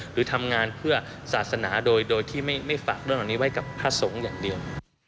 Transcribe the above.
หรือทำงานเพื่อศาสนาโดยที่ไม่ฝากเรื่องเหล่านี้ไว้กับพระสงฆ์อย่างเดียว